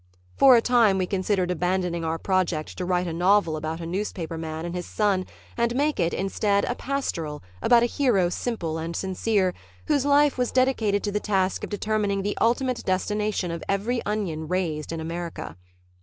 For a time we considered abandoning our project to write a novel about a newspaper man and his son and make it, instead, a pastoral about a hero simple and sincere whose life was dedicated to the task of determining the ultimate destination of every onion raised in America.